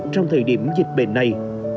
trong thời điểm dịch bệnh này